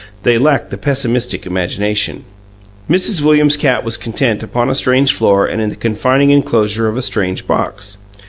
They lack the pessimistic imagination. Mrs. Williams's cat was content upon a strange floor and in the confining enclosure of a strange box.